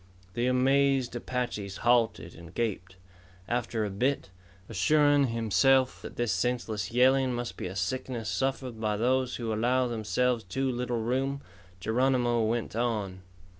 The amazed Apaches halted and gaped. After a bit, assuring himself that this senseless yelling must be a sickness suffered by those who allow themselves too little room, Geronimo went on.